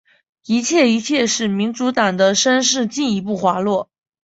一切一切使民主党的声势进一步滑落。